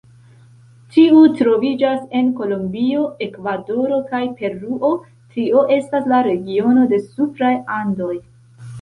Tiu troviĝas en Kolombio, Ekvadoro kaj Peruo, tio estas la regiono de supraj Andoj.